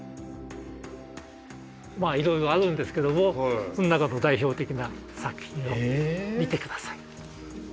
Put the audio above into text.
いろいろあるんですけどもその中でも代表的な作品を見て下さい。